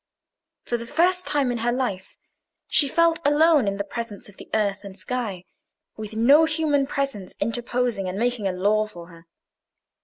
For the first time in her life she felt alone in the presence of the earth and sky, with no human presence interposing and making a law for her.